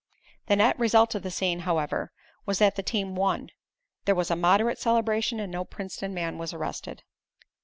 The net result of the scene, however, was that the team won, there was a moderate celebration and no Princeton man was arrested.